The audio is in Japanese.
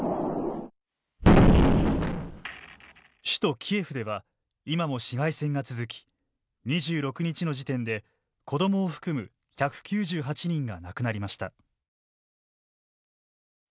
首都キエフでは今も市街戦が続き２６日の時点で、子どもを含む１９８人が亡くなりました。